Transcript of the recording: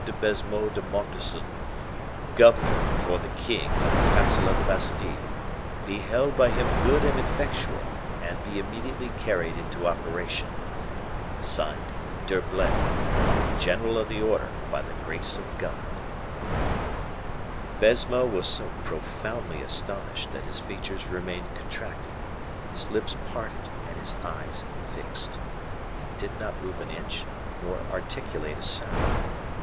de Baisemeaux de Montlezun, governor, for the king, of the castle of the Bastile, be held by him good and effectual, and be immediately carried into operation." (Signed) D'HERBLAY "General of the Order, by the grace of God." Baisemeaux was so profoundly astonished, that his features remained contracted, his lips parted, and his eyes fixed. He did not move an inch, nor articulate a sound.